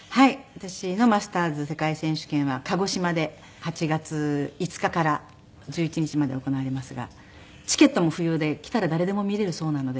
私のマスターズ世界選手権は鹿児島で８月５日から１１日まで行われますがチケットも不要で来たら誰でも見れるそうなので。